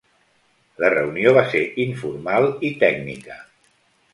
La reunió va ser informal i tècnica.